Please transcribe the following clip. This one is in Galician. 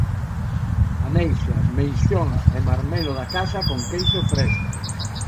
Ameixas, meixóns e marmelo da casa con queixo fresco